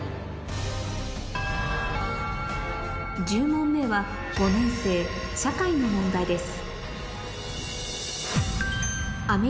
１０問目は５年生社会の問題です